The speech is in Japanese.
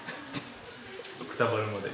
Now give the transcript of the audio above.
くたばるまで。